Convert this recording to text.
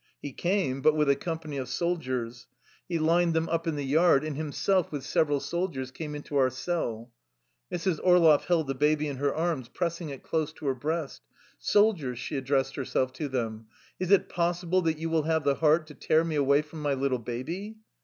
He came, but with a company of soldiers. He lined them 72 THE LIFE STORY OF A RUSSIAN EXILE up in the yard, and himself with several soldiers came into our cell. Mrs. Orloff held the baby in her arms, pressing it close to her breast. " Soldiers/' she addressed herself to them, " is it possible that you will have the heart to tear me away from my little baby?